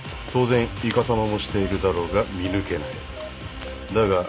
当然いかさまもしているだろうが見抜けない。